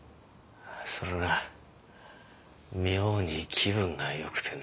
それが妙に気分がよくてね。